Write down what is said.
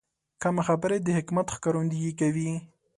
کمې خبرې، د حکمت ښکارندویي کوي.